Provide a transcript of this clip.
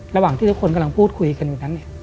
ระหว่างที่ทุกคนกำลังพูดคุยกันอยู่นั้น